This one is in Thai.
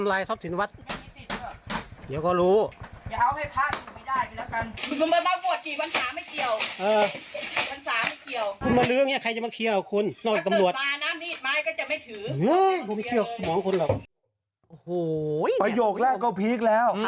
ประโยคแรกก็พีกแล้ว